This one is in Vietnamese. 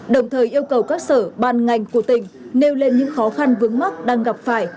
đồng thời yêu cầu các sở ban ngành của tỉnh nêu lên những khó khăn vướng mắt đang gặp phải